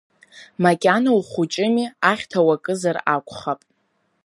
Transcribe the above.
Макьана ухәыҷыми, ахьҭа уакызар акәхап.